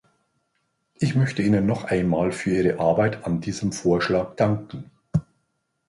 Ich möchte Ihnen noch einmal für Ihre Arbeit an diesem Vorschlag danken.